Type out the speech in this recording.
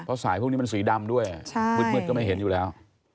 เพราะสายพวกนี้มันสีดำด้วยมืดก็ไม่เห็นอยู่แล้ว